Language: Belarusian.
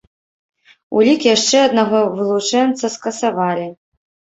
Улік яшчэ аднаго вылучэнца скасавалі.